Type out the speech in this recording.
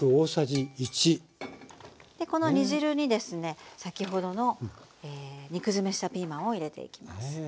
でこの煮汁にですね先ほどの肉詰めしたピーマンを入れていきます。